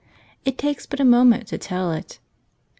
It takes but a moment to tell it.